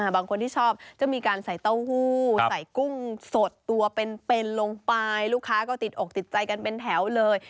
บางคนที่ชอบจะมีการใส่เต้าหู้ใส่กุ้งสดตัวเป็นลงไปลูกค้าก็ติดอกติดใจกันเป็นแถวเลย